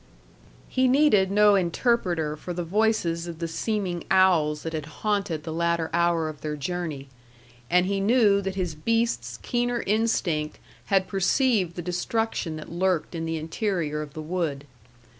He needed no interpreter for the voices of the seeming owls that had haunted the latter hour of their journey, and he knew that his beast's keener instinct had perceived the destruction that lurked in the interior of the wood.